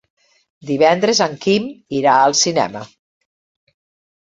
Divendres en Quim irà al cinema.